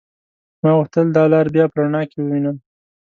ما غوښتل دا لار بيا په رڼا کې ووينم.